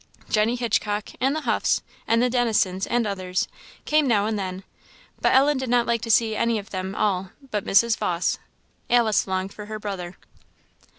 Jenny Hitchcock, and the Huffs, and the Dennisons and others, came now and then; but Ellen did not like to see any of them all but Mrs. Vawse. Alice longed for her brother.